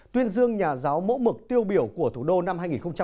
tuyên dương nhà giáo mẫu mực tiêu biểu của thủ đô năm hai nghìn một mươi chín